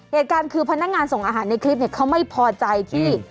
เหตุการณ์คือพนักงานส่งอาหารในคลิปเนี่ยเขาไม่พอใจที่